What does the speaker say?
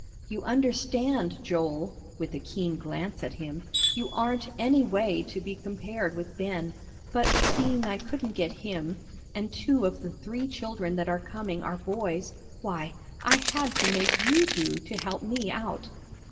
"You understand, Joel," with a keen glance at him, "you aren't anyway to be compared with Ben, but seeing I couldn't get him, and two of the three children that are coming are boys, why, I had to make you do to help me out."